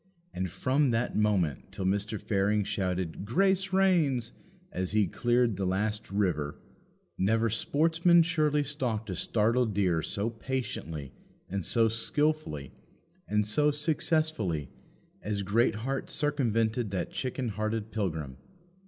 And from that moment till Mr. Fearing shouted "Grace reigns!" as he cleared the last river, never sportsman surely stalked a startled deer so patiently and so skilfully and so successfully as Greatheart circumvented that chicken hearted pilgrim.